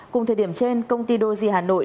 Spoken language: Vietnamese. cùng thời điểm trên công ty đôi di hà nội